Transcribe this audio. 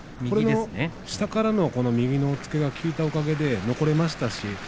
下からの右の押っつけが効いたおかげで残りました。